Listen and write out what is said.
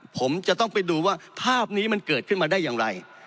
ผมจะต้องไปดูว่าภาพนี้มันเกิดขึ้นมาได้อย่างไร